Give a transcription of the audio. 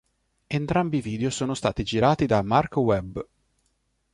Entrambi i video sono stati girati da Marc Webb.